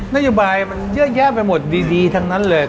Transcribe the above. นโยบายมันเยอะแยะไปหมดดีทำลังไหร่